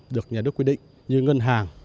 được nhà nước quy định như ngân hàng